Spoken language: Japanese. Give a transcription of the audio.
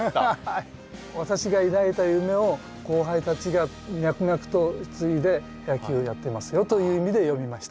私が抱いた夢を後輩たちが脈々と継いで野球をやってますよという意味で詠みました。